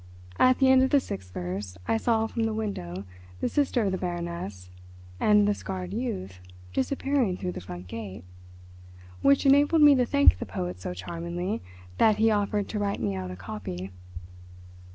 At the end of the sixth verse I saw from the window the sister of the Baroness and the scarred youth disappearing through the front gate, which enabled me to thank the poet so charmingly that he offered to write me out a copy.